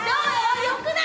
良くない？